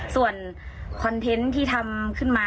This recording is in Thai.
ส่วนคอนเทนต์ที่ทำขึ้นมา